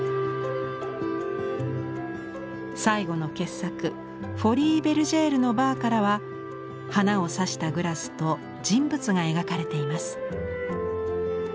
最後の傑作「フォリー＝ベルジェールのバー」からは花を挿したグラスと人物が描かれています。